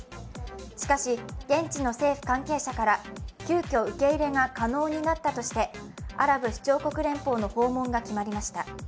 しかし現地の政府関係者から急きょ受け入れが可能になったとして、アラブ首長国連邦の訪問が決まりました。